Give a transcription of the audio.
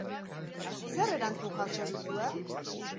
Zer erantzun jaso duzue?